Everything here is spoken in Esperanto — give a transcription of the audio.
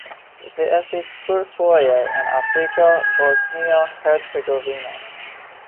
Li estis plurfoje en Afriko, Bosnio-Hercegovino.